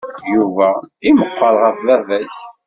Yuba i meqqer ɣef baba-k.